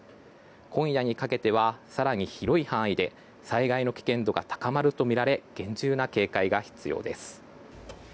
今夜にかけては更に広い範囲で災害の危険度が高まるとみられ厳重な警戒が必要です。